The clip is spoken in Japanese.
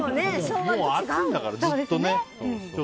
暑いんだから、ずっとね。